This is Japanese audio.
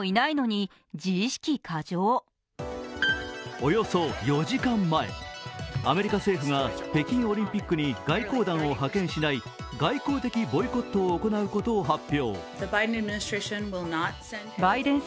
およそ４時間前、アメリカ政府が北京オリンピックに外交団を派遣しない外交的ボイコットを行うことを発表。